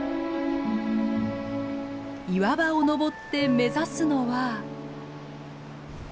岩場を登って目指すのは。